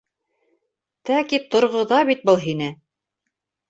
Тәки торғоҙа бит был һине...